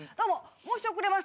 申し遅れました。